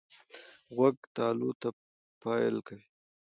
غوږ تالو ته پایل کوي.